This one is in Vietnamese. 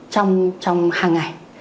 trong hàng ngày